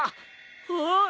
ああ！